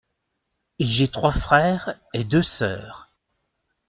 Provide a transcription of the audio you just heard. J’ai trois frères et deux sœurs.